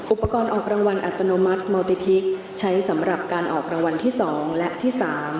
อุปกรณ์ออกรางวัลอัตโนมัติโมติพลิกใช้สำหรับการออกรางวัลที่๒และที่๓